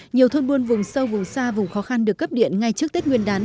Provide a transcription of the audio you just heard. nhiều thôn buôn vùng sâu vùng xa vùng khó khăn được cấp điện ngay trước tết nguyên đán